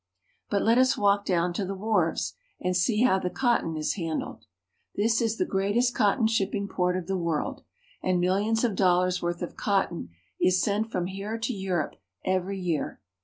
But let us walk down to the wharves, and see how the cotton is handled. This is the greatest cotton shipping port of the world, and millions of dollars' worth of cotton is sent from here to Europe every year.